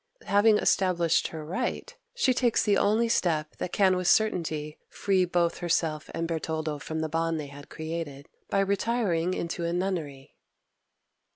Having established her right, she takes the only step that can with certainty free both herself and Bertoldo from the bond they had created, by retiring into a nunnery.